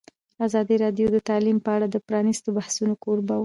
ازادي راډیو د تعلیم په اړه د پرانیستو بحثونو کوربه وه.